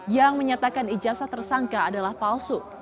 yang menyatakan ijasa tersangka adalah palsu